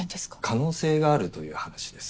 可能性があるという話です。